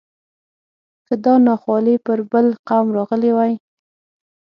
که دا ناخوالې پر بل قوم راغلی وای.